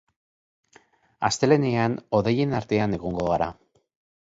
Astelehenean hodeien artean egongo gara.